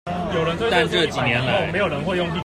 但這幾年來